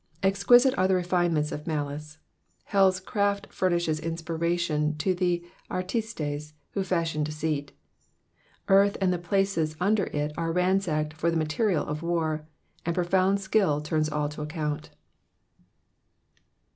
Exquisite are the refinements of malice ! helPs craft furnishes inspiration to the artintes who fashion deceit. Earth and the places under it are ransacked for the maferid of war, and profound skill turns all to account.